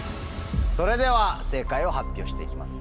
それでは正解を発表して行きます。